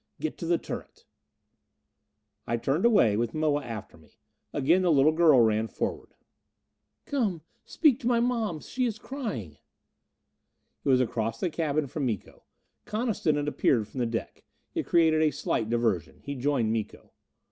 Get to the turret." I turned away, with Moa after me. Again the little girl ran forward. "Come speak to my moms! She is crying." It was across the cabin from Miko. Coniston had appeared from the deck; it created a slight diversion. He joined Miko.